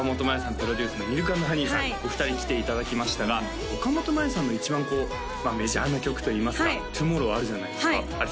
プロデュースのｍｉｌｋ＆ｈｏｎｅｙさんお二人来ていただきましたが岡本真夜さんの一番こうメジャーな曲といいますか「ＴＯＭＯＲＲＯＷ」あるじゃないですかあれ